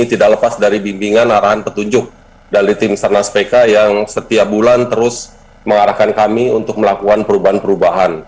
tidak lepas dari bimbingan arahan petunjuk dari tim sernas pk yang setiap bulan terus mengarahkan kami untuk melakukan perubahan perubahan